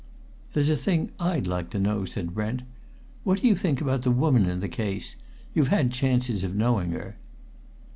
"There's a thing I'd like to know," said Brent. "What do you think about the woman in the case? You've had chances of knowing her."